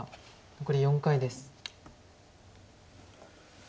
残り４回です。